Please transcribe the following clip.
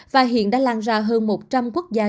và hiện đã lan ra hơn một trăm linh quốc gia